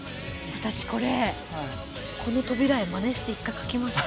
私これこの扉絵まねして一回描きました。